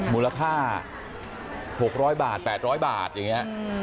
มูลค่า๖๐๐บาท๘๐๐บาทอย่างนี้